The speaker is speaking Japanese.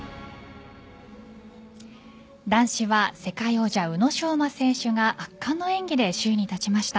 男子は世界王者・宇野昌磨選手が圧巻の演技で首位に立ちました。